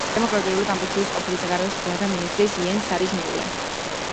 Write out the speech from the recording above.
დემოკრატიული კამპუჩიის ყოფილი საგარეო საქმეთა მინისტრის იენგ სარის მეუღლე.